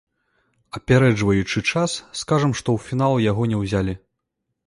Апярэджваючы час, скажам, што ў фінал яго не ўзялі.